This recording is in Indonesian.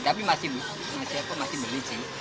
tapi masih beli sih